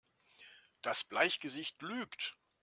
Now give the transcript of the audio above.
Das Bleichgesicht lügt!